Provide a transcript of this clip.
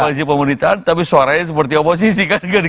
koalisi pemerintahan tapi suaranya seperti oposisi kan